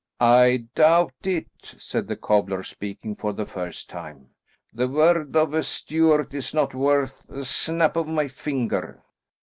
"I doubt it," said the cobbler, speaking for the first time. "The word of a Stuart is not worth the snap of my finger."